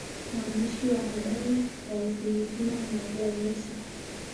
mwandishi wa habari wa Ufilipino Maria Ressa